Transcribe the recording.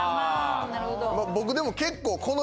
僕でも結構。